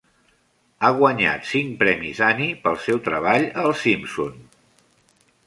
Ha guanyat cinc premis Annie pel seu treball a "Els Simpson".